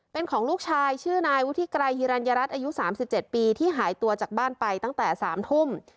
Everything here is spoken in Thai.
เป็นของลูกชายชื่อนายวุฒิไกรฮิรัญรัฐอายุ๓๗ปีที่หายตัวจากบ้านไปตั้งแต่๓ทุ่ม